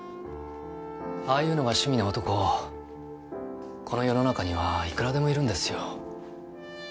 ああいうのが趣味な男この世の中にはいくらでもいるんですよ。